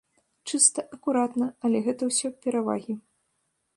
Чыста, акуратна, але гэта ўсё перавагі.